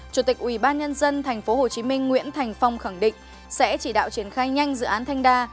chủ tịch ubnd tp hcm nguyễn thành phong khẳng định sẽ chỉ đạo triển khai nhanh dự án thanh đa